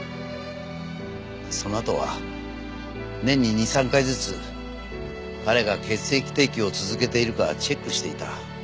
そのあとは年に２３回ずつ彼が血液提供を続けているかチェックしていた。